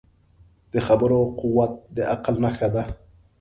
د خبرو قوت د عقل نښه ده